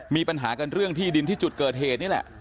มีปัญหากันเรื่องที่ดินที่จุดเกิดเหตุนี่แหละ